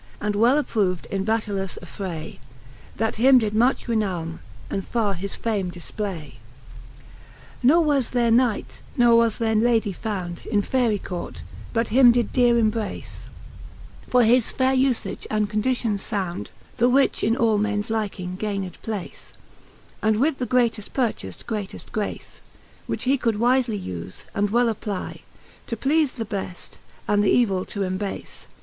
And well approv'd in batteilous affray, That him did much renowme, and far his fame diiplay. Ne Cant. I. the Tame Queene. Z07 III. Ne was there Knight, ne was there Lady found In Faery court, but him did deare embrace, For his faire vfage and conditions (bund, The which in all mens liking gayned place, And with the greateft purchaft greateft grace; Which he could wifely ufe, and well apply, To pleafe the beft, and th'evill to embaie.